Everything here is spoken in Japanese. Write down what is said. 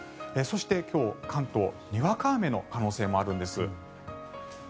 そして、今日、関東はにわか雨の可能性もあるんです。